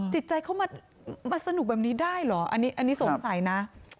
จิตใจเขามาสนุกแบบนี้ได้เหรออันนี้สงสัยนะ